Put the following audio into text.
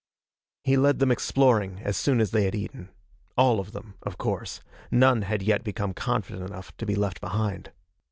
He led them exploring as soon as they had eaten. All of them, of course. None had yet become confident enough to be left behind.